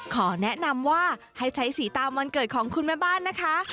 ขอแนะนำว่าให้ใช้สีตามวันเกิดของคุณแม่บ้านนะคะ